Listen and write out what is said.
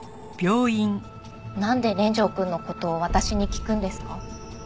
なんで連城くんの事を私に聞くんですか？